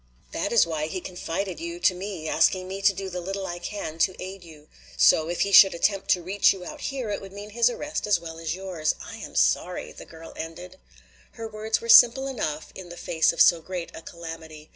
That is why he confided you to me, asking me to do the little I can to aid you. So if he should attempt to reach you out here, it would mean his arrest as well as yours. I am sorry," the girl ended. Her words were simple enough in the face of so great a calamity.